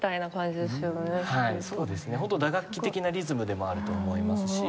ホント打楽器的なリズムでもあると思いますし